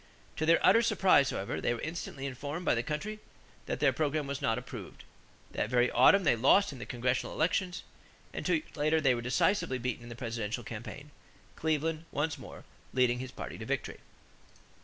To their utter surprise, however, they were instantly informed by the country that their program was not approved. That very autumn they lost in the congressional elections, and two years later they were decisively beaten in the presidential campaign, Cleveland once more leading his party to victory.